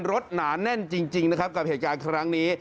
หนาแน่นจริงนะครับกับเหตุการณ์ครั้งนี้